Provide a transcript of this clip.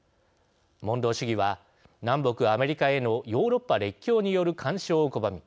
モンロー主義は南北アメリカへのヨーロッパ列強による干渉を拒み